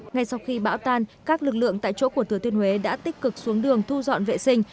ngay sau khi bão tan các lực lượng tại chỗ của thừa thiên huế đã tích cực xuống đường thu dọn vệ sinh